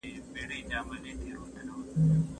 زاړه رواجونه ولي ساتل کیږي؟